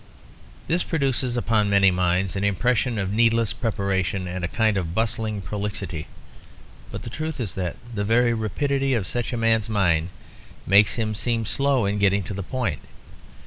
This produces upon many minds an impression of needless preparation and a kind of bustling prolixity. But the truth is that the very rapidity of such a man's mind makes him seem slow in getting to the point.